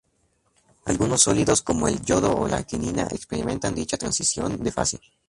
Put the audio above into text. Algunos sólidos, como el yodo o la quinina, experimentan dicha transición de fase.